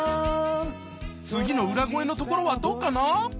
次の裏声のところはどうかな？